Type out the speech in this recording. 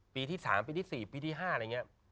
ปีที่๓ปีที่๔ปีที่๕อะไรอย่างนี้